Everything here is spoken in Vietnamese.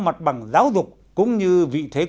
mặt bằng giáo dục cũng như vị thế